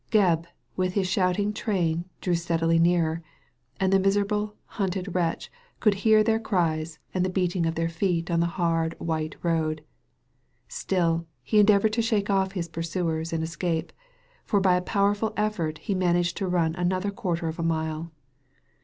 Gebb with his shouting train drew steadily nearer, and the miserable, hunted wretch could hear their cries, and the beating of their feet on the hard white road. Still he endeavoured to shake off his pursuers and escape, for by a powerful effort he managed to run another quarter of a mile.